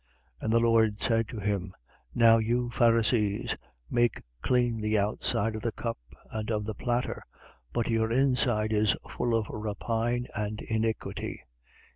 11:39. And the Lord said to him: Now you, Pharisees, make clean the outside of the cup and of the platter: but your inside is full of rapine and iniquity.